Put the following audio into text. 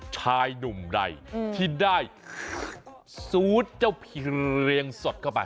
ชายหนุ่มใดที่ได้ซูดเจ้าเพียงเรียงสดเข้าไป